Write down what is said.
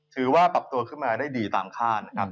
ถือว่าปรับตัวขึ้นมาได้ดีตามคาดนะครับ